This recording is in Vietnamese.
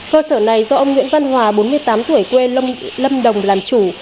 cơ sở này do ông nguyễn văn hòa bốn mươi tám tuổi quê lâm đồng làm chủ